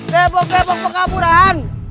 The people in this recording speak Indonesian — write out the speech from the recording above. debuk debuk bekapuran